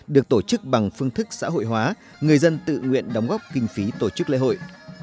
được tổ chức bằng phương thức xã hội hóa người dân tự nguyện đóng góp kinh phí tổ chức lễ hội